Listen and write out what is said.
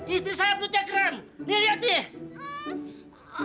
istri saya penutup keram nih liat nih